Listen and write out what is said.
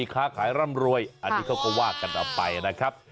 ค้าขายร่ำรวยอันนี้เขาก็ว่ากันออกไปนะครับ